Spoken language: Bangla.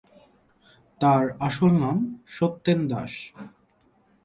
তার আসল নাম সত্যেন দাস।